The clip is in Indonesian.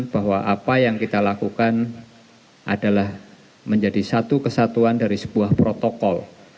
bahwa apa yang kita lakukan adalah menjadi satu kesatuan dari sebuah protokol